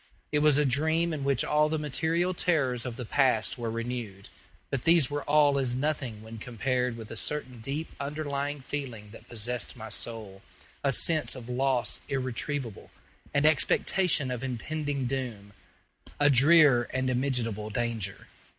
It was a dream in which all the material terrors of the past were renewed; but these were all as nothing when compared with a certain deep underlying feeling that possessed my soul a sense of loss irretrievable, an expectation of impending doom, a drear and immitigable despair.